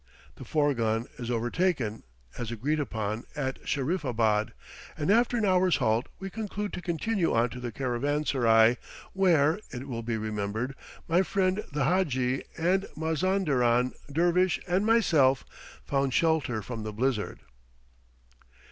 The fourgon is overtaken, as agreed upon, at Shahriffabad, and after an hour's halt we conclude to continue on to the caravanserai, where, it will be remembered, my friend the hadji and Mazanderan dervish and myself found shelter from the blizzard.